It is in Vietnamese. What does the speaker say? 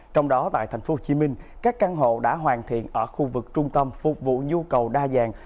trong đó tại thành phố hồ chí minh các căn hộ đã hoàn thiện ở khu vực trung tâm phục vụ nhu cầu đa dạng